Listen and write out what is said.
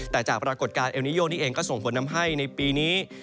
แต่จากปรากฏการณ์เอลนิโยนี่เองก็ส่งผลทำให้ในปีนี้